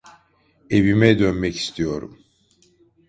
Evime dönmek istiyorum.